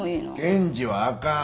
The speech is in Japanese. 検事はあかん。